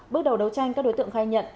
bước đầu đấu tranh các đối tượng khai nhận